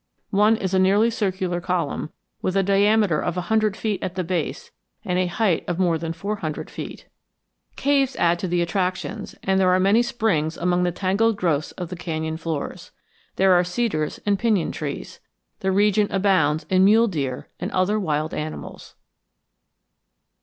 One is a nearly circular column with a diameter of a hundred feet at the base and a height of more than four hundred feet. Caves add to the attractions, and there are many springs among the tangled growths of the canyon floors. There are cedars and pinyon trees. The region abounds in mule deer and other wild animals.